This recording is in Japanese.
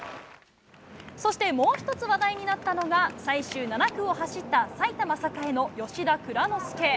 そしてもう一つ話題になったのが、最終７区を走った埼玉栄の吉田蔵之介。